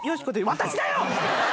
私だよ！